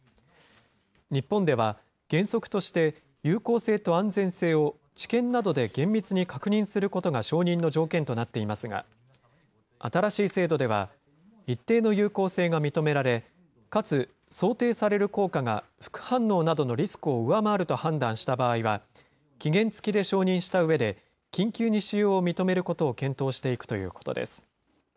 日本では原則として、有効性と安全性を治験などで厳密に確認することが承認の条件となっていますが、新しい制度では、一定の有効性が認められ、かつ想定される効果が副反応などのリスクを上回ると判断した場合は、期限付きで承認したうえで、緊急に使用を認めることを検討していくということです。